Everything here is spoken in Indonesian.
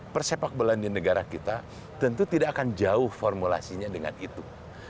persepak bolaan di negara kita tentu tidak akan jauh formulasinya dengan itu